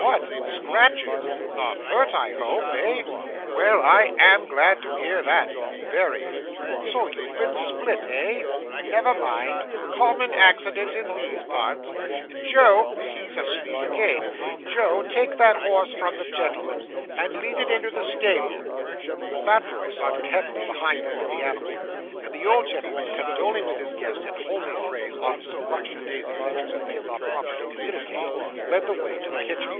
What! Scratches! Not hurt, I hope eh? Well, I am glad to hear that very. So you've been spilt, eh? Never mind. Common accident in these parts. Joe he's asleep again! Joe, take that horse from the gentlemen, and lead it into the stable.' The fat boy sauntered heavily behind them with the animal; and the old gentleman, condoling with his guests in homely phrase on so much of the day's adventures as they thought proper to communicate, led the way to the kitchen.